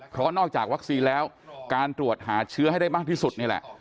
เพราะนอกจากวัคซีนแล้วการตรวจหาเชื้อให้ได้มากที่สุดนี่แหละ